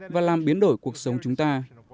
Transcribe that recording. và làm biến đổi cuộc sống chúng ta